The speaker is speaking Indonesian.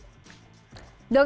dari indonesia saya sendiri